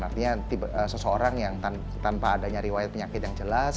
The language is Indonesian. artinya seseorang yang tanpa adanya riwayat penyakit yang jelas